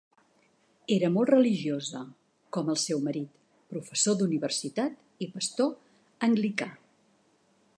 Era molt religiosa, com el seu marit, professor d'universitat i pastor anglicà.